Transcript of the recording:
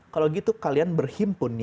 kalau gitu kalian berhimpun